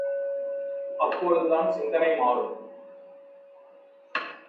அப்பொழுதுதான் சிந்தனை மாறும்.